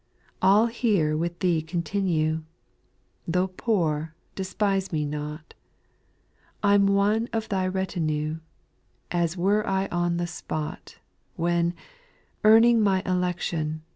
2. I'll here with Thee continue, (Though poor, despise me not,) I 'm one of Thy retinue : As were I on the spot, When, earning my election.